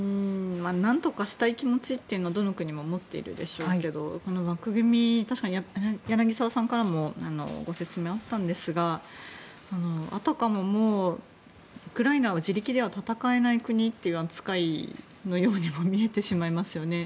なんとかしたい気持ちというのはどの国も持ってるでしょうけどこの枠組み確かに柳澤さんからもご説明があったんですがあたかもウクライナを自力では戦えない国という扱いのようにも見えますよね。